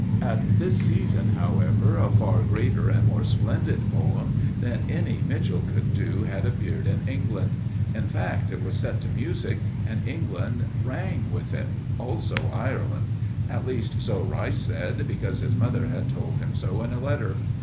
At this season, however, a far greater and more splendid poem than any Mitchell could do had appeared in England. In fact, it was set to music and England rang with it also Ireland. At least, so Rice said, because his mother had told him so in a letter.